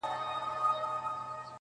رویباری د بېګانه خلکو تراب کړم!!